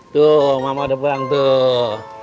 tuh mama udah pulang tuh